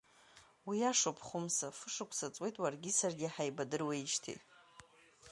Уиашоуп, Хәымса, фышықәса ҵуеит уаргьы саргьы ҳаибадыруеижьҭеи.